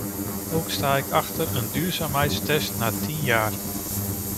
Ook sta ik achter een duurzaamheidstest na tien jaar.